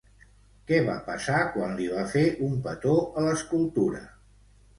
Què va passar quan li va fer un petó a l'escultura?